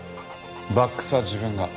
バックスは自分が。